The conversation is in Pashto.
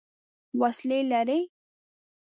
وسلې لري.